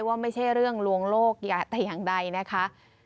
ว่าไม่ใช่เรื่องลวงโลกแต่อย่างใดนะคะ